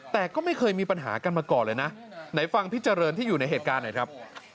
แต่ก็ไม่เคยมีปัญหากันมาก่อนเลยนะไหนฟังพี่เจริญที่อยู่ในเหตุการณ์หน่อยครับ